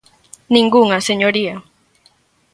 ¡Ningunha, señoría!